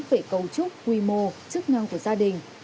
lúc quy mô chức năng của gia đình